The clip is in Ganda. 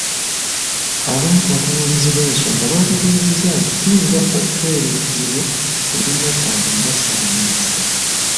Abamu ku batunuulizi b’ensonga bategeezezza nti kiyinza okubeera ekizibu eri Nabbanja nga Ssaabaminisita.